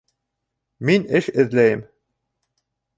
Мин эш эҙләйем